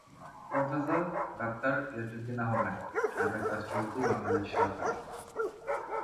Professor doctor Iajuddin Ahmed- সাবেক রাষ্ট্রপতি, বাংলাদেশ সরকার।